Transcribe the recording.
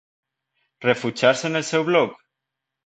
Refugiar-se en el seu bloc?